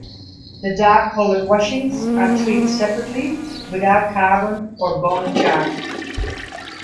The dark-coloured washings are treated separately, without carbon or bone char.